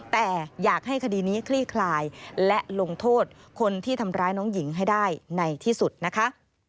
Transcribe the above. แต่อยากให้คดีนี้คลี่คลายและลงโทษคนที่ทำร้ายน้องหญิงให้ได้ในที่สุดนะคะ